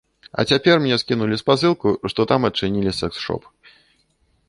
А цяпер мне скінулі спасылку, што там адчынілі сэкс-шоп.